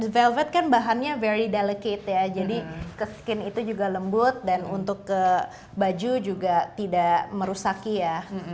velvet kan bahannya very delicate ya jadi ke skin itu juga lembut dan untuk ke baju juga tidak merusak ya